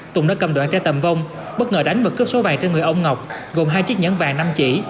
tùng đã cầm đoạn tre tầm vong bất ngờ đánh và cướp số vàng trên người ông ngọc gồm hai chiếc nhẫn vàng năm chỉ